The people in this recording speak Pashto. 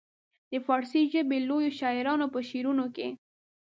د فارسي ژبې لویو شاعرانو په شعرونو کې.